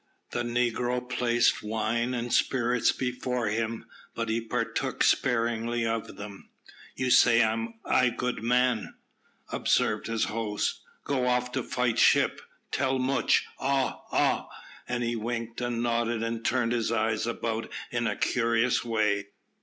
The negro placed wine and spirits before him, but he partook sparingly of them. "You say I good man," observed his host. "Go off to fight ship. Tell moch. Ah, ah!" And he winked and nodded and turned his eyes about in a curious way.